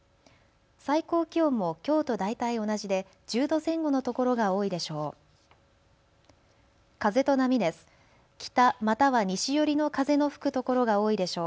最高気温もきょうと大体同じで１０度前後のところが多いでしょう。